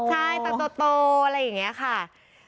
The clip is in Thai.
ใช่ตาโตอะไรอย่างนี้ค่ะ